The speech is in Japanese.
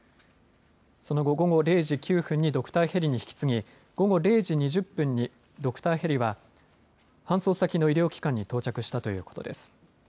その後、午後０時９分にドクターヘリに引き継ぎ午後０時２０分にドクターヘリは搬送先の医療機関に到着したということです。